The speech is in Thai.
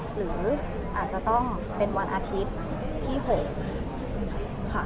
หรืออาจจะต้องเป็นวันอาทิตย์ที่๖ค่ะ